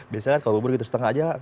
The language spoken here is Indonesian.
biasanya kan kalau bubur gitu setengah aja